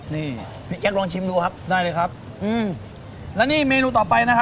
นี่พี่แก๊ลองชิมดูครับได้เลยครับอืมแล้วนี่เมนูต่อไปนะครับ